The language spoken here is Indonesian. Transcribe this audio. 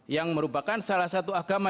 yang merupakan salah satu agama